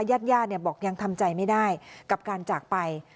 ญาติญาติบอกยังทำใจไม่ได้กับการจากไป